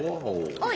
おい。